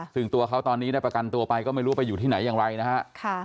ซึ่งตัวเขาตอนนี้ได้ประกันตัวไปก็ไม่รู้ไปอยู่ที่ไหนอย่างไรนะฮะ